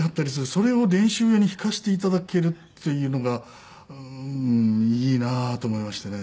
それを練習用に弾かせて頂けるというのがいいなと思いましてね。